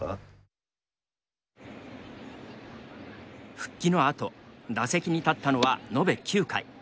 復帰のあと打席に立ったのは延べ９回。